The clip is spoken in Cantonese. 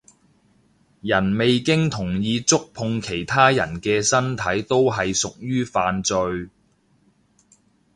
人未經同意觸碰其他人嘅身體都係屬於犯罪